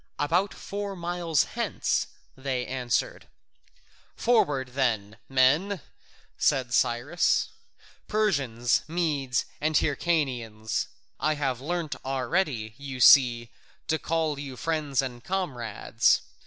"About four miles hence," they answered. "Forward then, my men," said Cyrus, "Persians, Medes, and Hyrcanians. I have learnt already, you see, to call you friends and comrades.